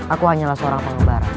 aku hanyalah seorang pengembara